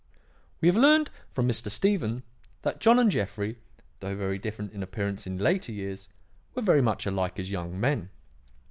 "We have learned from Mr. Stephen that John and Jeffrey, though very different in appearance in later years, were much alike as young men.